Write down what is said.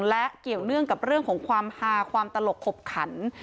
และเกี่ยวเนื่องกับเรื่องของความฮาความตลกขบขัน